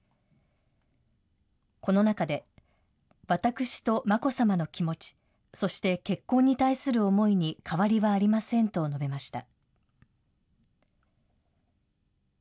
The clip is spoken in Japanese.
この中で、私と眞子さまの気持ち、そして結婚に対する思いに変わりはありませんと述べました。